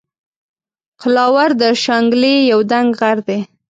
قلاور د شانګلې یو دنګ غر دے